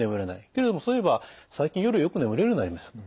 けれどもそういえば最近夜よく眠れるようになりましたと。